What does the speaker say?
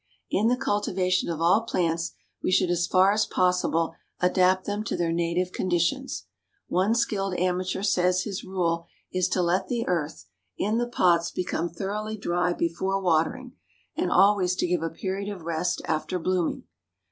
In the cultivation of all plants we should as far as possible adapt them to their native conditions. One skilled amateur says his rule is to let the earth in the pots become thoroughly dry before watering, and always to give a period of rest after blooming.